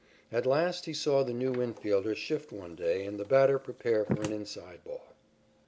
At last he saw the new infielder shift one day and the batter prepare for an inside ball.